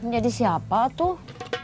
menjadi siapa tuh